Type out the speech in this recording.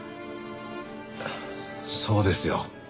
そうですよ。